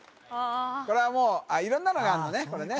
これはもう色んなのがあんのね